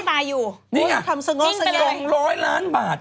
อันนี้คือแกล้งตายอยู่